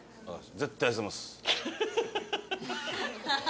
絶対痩せます。